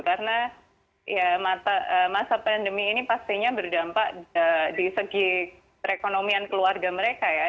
karena ya masa pandemi ini pastinya berdampak di segi perekonomian keluarga mereka ya